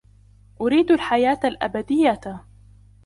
أُريد الحياة الأبدية!